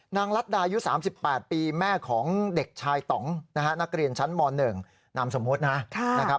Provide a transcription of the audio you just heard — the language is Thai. นางรัฐดาอายุ๓๘ปีแม่ของเด็กชายตำนักเรียนชั้นม๑นามสมมตินะครับ